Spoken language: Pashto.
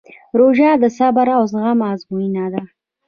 روژه د صبر او زغم ازموینه ده.